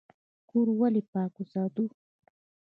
کور ولې پاک وساتو؟